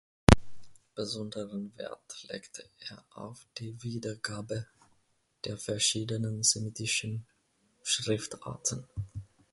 Besonderen Wert legte er auf die Wiedergabe der verschiedenen semitischen Schriftarten.